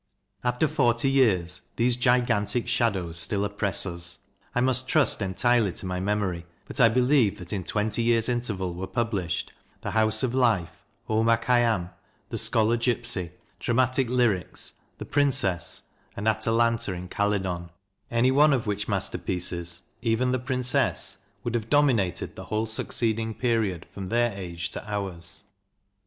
After forty years those gigantic shadows still oppress us. I must trust entirely to my memory, but I believe that in twenty years' interval were published, " The House of Life," "Omar Khayyam," "The Scholar Gipsy," "Dramatic Lyrics," "The Princess," and " Atalanta in Calydon," any one of which masterpieces, even the " Princess," would have dominated the whole succeed ing period from their age to ours.